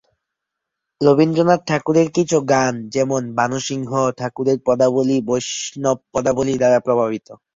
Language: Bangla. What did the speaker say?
রবীন্দ্রনাথ ঠাকুরের কিছু গান যেমন-'ভানুসিংহ ঠাকুরের পদাবলী' বৈষ্ণব পদাবলী দ্বারা প্রভাবিত।